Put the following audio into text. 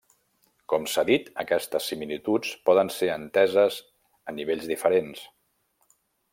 Com s'ha dit, aquestes similituds poden ser enteses a nivells diferents.